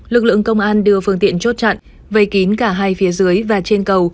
lực lượng công an đưa phương tiện chốt chặn vây kín cả hai phía dưới và trên cầu